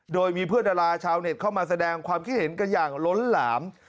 โดยมีเพื่อนดาราชาวเน็ตเข้ามาแสดงความคิดเห็นกันอย่างล้นหลาม